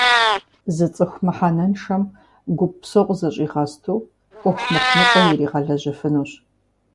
Зы цӏыху мыхьэнэншэм гуп псо къызэщӀигъэсту, Ӏуэху мыхъумыщӀэ иригъэлэжьыфынущ.